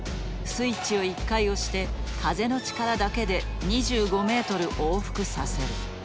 スイッチを１回押して風の力だけで２５メートル往復させる。